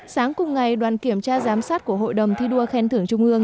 sáng cùng ngày đoàn kiểm tra giám sát của hội đồng thi đua khen thưởng trung ương